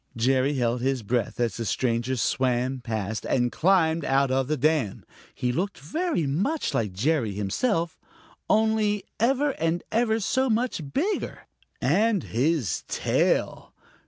Jerry held his breath as the stranger swam past and then climbed out on the dam. He looked very much like Jerry himself, only ever and ever so much bigger. And his tail!